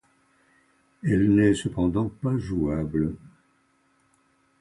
Elle n'est cependant pas jouable.